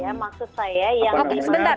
mungkin saya luruskan ya maksud saya yang